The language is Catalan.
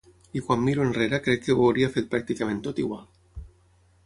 I quan miro enrere crec que ho hauria fet pràcticament tot igual.